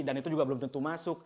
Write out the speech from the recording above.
dan itu juga belum tentu masuk